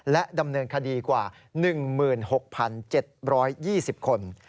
และดำเนินคดีกว่า๑๖๗๒๐คน